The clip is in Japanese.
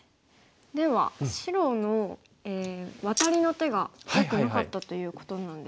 では白のワタリの手がよくなかったということなんでしょうか。